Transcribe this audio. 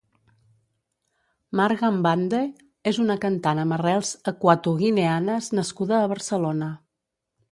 Marga Mbande és una cantant amb arrels ecuatoguineanes nascuda a Barcelona.